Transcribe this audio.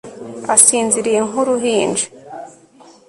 asinziriye nk'uruhinja